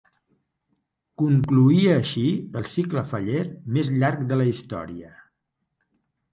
Concloïa així el cicle faller més llarg de la història.